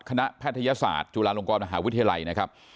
แพทยศาสตร์จุฬาลงกรมหาวิทยาลัยนะครับ